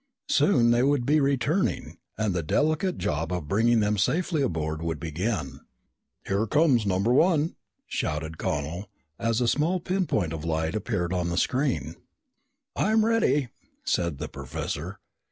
Soon they would be returning and the delicate job of bringing them safely aboard would begin. "Here comes number one," shouted Connel, as a small pinpoint of light appeared on the screen. "I'm ready!" said the professor.